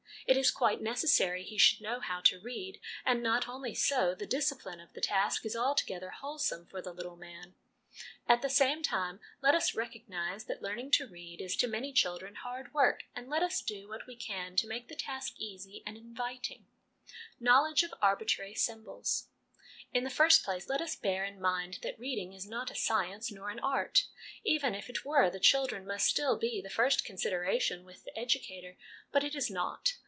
It is quite necessary he should know how to read ; and not only so the discipline of the task is altogether wholesome for the little man. At the same time, let us recognise that learning to read is to many children hard work, and let us do what we can to make the task easy and inviting. LESSONS AS INSTRUMENTS OF EDUCATION 21$ Knowledge of Arbitrary Symbols. In the first place, let us bear in mind that reading is not a science nor an art. Even if it were, the children must still be the first consideration with the educator ; but it is not.